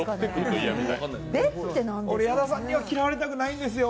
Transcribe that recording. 俺、矢田さんには嫌われたくないんですよ。